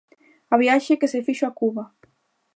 Á viaxe que se fixo a Cuba.